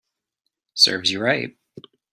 Serves you right